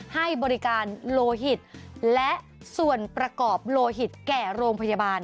ให้บริการโลหิตและส่วนประกอบโลหิตแก่โรงพยาบาล